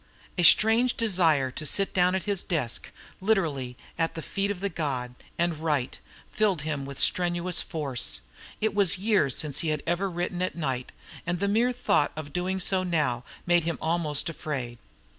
A strange desire to sit down at his desk literally at the feet of the god and write, filled him with strenuous force. It was years since he had ever written anything at night, and the mere thought of doing so now made him almost afraid.